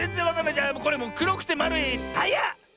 じゃもうくろくてまるいタイヤ！